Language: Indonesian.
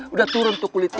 sudah turun tuh kulitnya